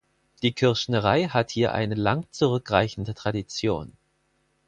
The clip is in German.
Die Kürschnerei hat hier eine lang zurückreichende Tradition.